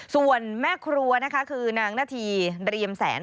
ส่วนแม่ครัวนะคะคือนางนาธีเรียมแสน